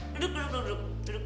duduk duduk duduk